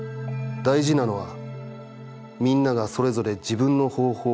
大事なのは、みんながそれぞれ自分の方法を発見することだ。